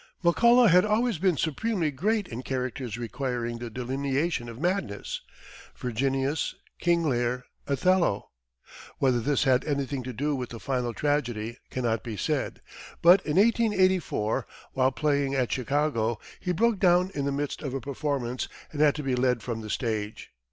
McCullough had always been supremely great in characters requiring the delineation of madness Virginius, King Lear, Othello. Whether this had anything to do with the final tragedy cannot be said, but in 1884, while playing at Chicago, he broke down in the midst of a performance, and had to be led from the stage.